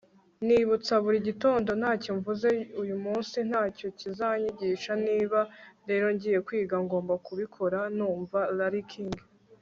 ndibutsa buri gitondo: ntacyo mvuze uyu munsi ntacyo kizanyigisha. niba rero ngiye kwiga, ngomba kubikora numva. - larry king